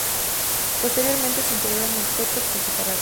Posteriormente, se integró en el peto por separado.